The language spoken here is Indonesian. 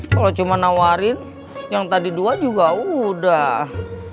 kalau cuma nawarin yang tadi dua juga udah